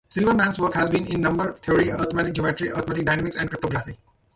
Silverman's work has been in number theory, arithmetic geometry, arithmetic dynamics and cryptography.